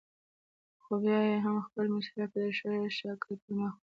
خو بيا يې هم خپل مسئوليت په ډېر ښه شکل پرمخ وړه.